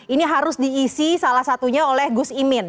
ini harus diisi salah satunya oleh gus imin